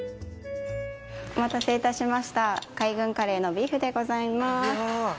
お待たせいたしました海軍カレーのビーフでございます。